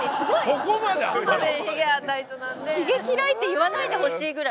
ヒゲ嫌いって言わないでほしいぐらい。